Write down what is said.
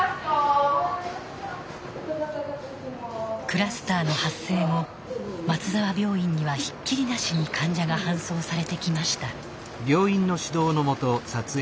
クラスターの発生後松沢病院にはひっきりなしに患者が搬送されてきました。